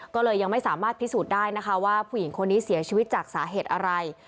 ก็เลยยังไม่สามารถพิสูจน์ได้นะคะว่าผู้หญิงคนนี้เสียชีวิตจากสาเหตุอะไร